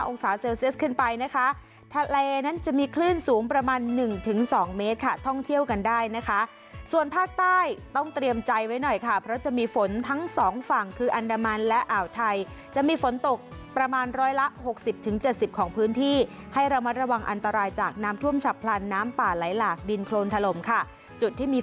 องศาเซลเซียสขึ้นไปนะคะทะเลนั้นจะมีคลื่นสูงประมาณหนึ่งถึงสองเมตรค่ะท่องเที่ยวกันได้นะคะส่วนภาคใต้ต้องเตรียมใจไว้หน่อยค่ะเพราะจะมีฝนทั้งสองฝั่งคืออันดามันและอ่าวไทยจะมีฝนตกประมาณร้อยละหกสิบถึงเจ็ดสิบของพื้นที่ให้ระมัดระวังอันตรายจากน้ำท่วมฉับพลันน้ำป่าไหลหลากดินโครนถล่มค่ะจุดที่มี